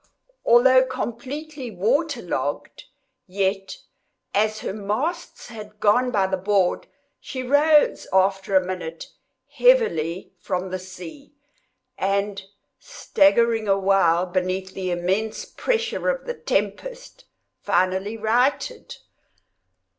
Although completely water logged, yet, as her masts had gone by the board, she rose, after a minute, heavily from the sea, and, staggering awhile beneath the immense pressure of the tempest, finally righted.